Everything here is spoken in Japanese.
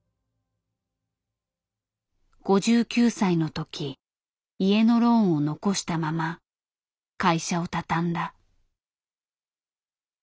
５９歳の時家のローンを残したまま会社を畳んだ。